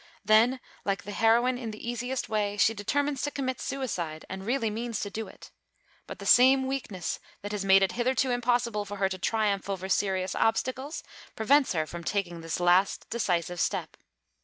Then, like the heroine in The Easiest Way, she determines to commit suicide, and really means to do it. But the same weakness that has made it hitherto impossible for her to triumph over serious obstacles, prevents her from taking this last decisive step.